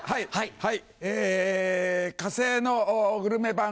はい。